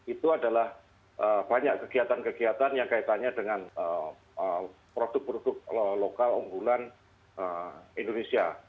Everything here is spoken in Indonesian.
itu adalah banyak kegiatan kegiatan yang kaitannya dengan produk produk lokal unggulan indonesia